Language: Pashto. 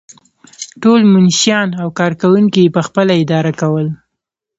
ټول منشیان او کارکوونکي یې پخپله اداره کول.